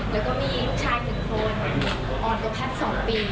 แล้วก็มีลูกชายหนึ่งคนอ่อนตัวแพทย์สองปี